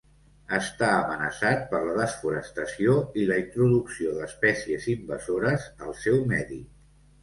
Està amenaçat per la desforestació i la introducció d'espècies invasores al seu medi.